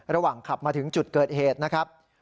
ระหว่างขับมาถึงจุดเกิดเหตุนะครับ